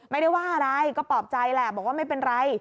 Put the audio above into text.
ไม่ได้ว่าอะไรก็ปลอบใจแหละบอกว่าไม่เป็นไร